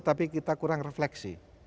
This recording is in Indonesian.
tapi kita kurang refleksi